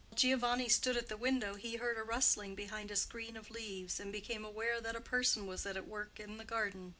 While Giovanni stood at the window he heard a rustling behind a screen of leaves, and became aware that a person was at work in the garden.